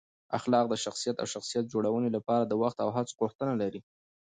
اخلاق د شخصیت او شخصیت جوړونې لپاره د وخت او هڅو غوښتنه لري.